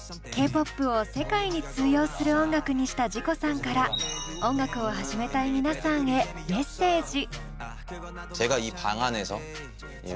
ＫーＰＯＰを世界に通用する音楽にしたＺＩＣＯさんから音楽を始めたい皆さんへメッセージ。